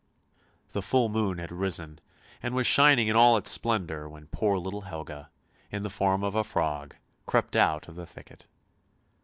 The full moon had risen, and was shining in all its splendour when poor little Helga, in the form of a frog, crept out of the thicket.